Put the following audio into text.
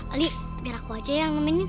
ali biar aku aja yang ngomongin